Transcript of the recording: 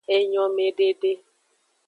Enyomedede.